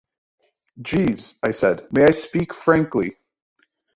"Jeeves," I said, "may I speak frankly?"